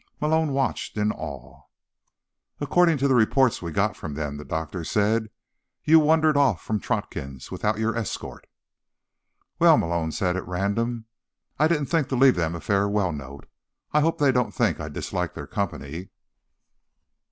Malone watched in awe. "According to the reports we got from them," the doctor said, "you wandered off from Trotkin's without your escort." "Well," Malone said at random, "I didn't think to leave them a farewell note. I hope they don't think I disliked their company."